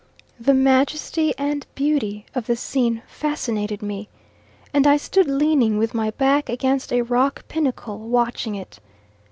The majesty and beauty of the scene fascinated me, and I stood leaning with my back against a rock pinnacle watching it.